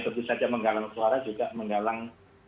tentu saja menggalang suara juga menggalang